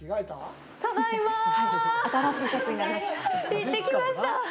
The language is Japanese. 行ってきました。